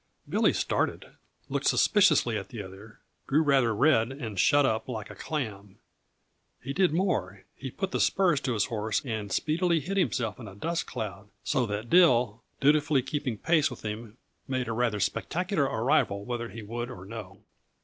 Billy started, looked suspiciously at the other, grew rather red and shut up like a clam. He did more; he put the spurs to his horse and speedily hid himself in a dust cloud, so that Dill, dutifully keeping pace with him, made a rather spectacular arrival whether he would or no.